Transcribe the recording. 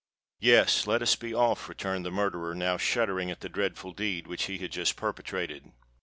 "Yes—let us be off," returned the murderer, now shuddering at the dreadful deed which he had just perpetrated.